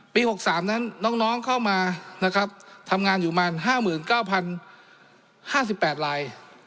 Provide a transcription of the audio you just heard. ปี๖๓นั้นน้องเข้ามาทำงานอยู่มา๕๙๐๕๘ลาย